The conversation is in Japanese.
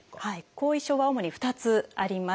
後遺症は主に２つあります。